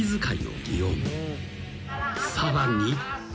［さらに］